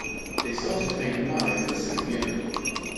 They started playing live the same year.